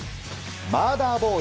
マーダーボール